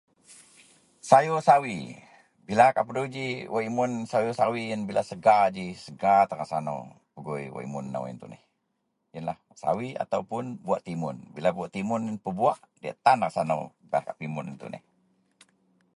sayur sawi bila au pegui ji wak imun sayur sawi ien bila segar ji, segar tan rasa nou pegui wak imun nou ien tuneh, ienla sawi ataupun buwah timun bila buwak timun ien pebuwak diyak tan rasa nou baih au pimun ien tuneh